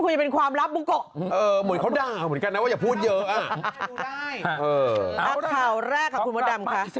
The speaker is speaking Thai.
ถ้าข่าวแรกค่ะคุณผู้ดำค่ะ